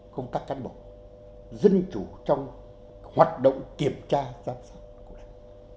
không các cán bộ dân chủ trong hoạt động kiểm tra giám sát của đảng